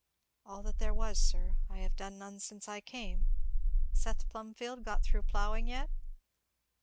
"All that there was, sir, I have done none since I came." "Seth Plumfield got through ploughing yet?"